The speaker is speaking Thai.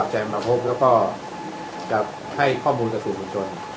จะให้ข้อมูลสื่อส่วนชน